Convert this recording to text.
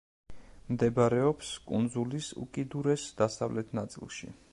მდებარეობს კუნძულის უკიდურეს დასავლეთ ნაწილში.